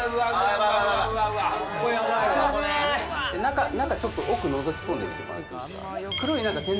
ヤバい・ここヤバいわ中ちょっと奥のぞき込んでみてもらっていいですか？